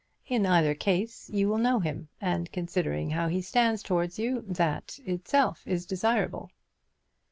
In either case you will know him, and considering how he stands towards you, that itself is desirable."